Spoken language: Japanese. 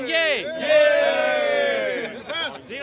イエーイ！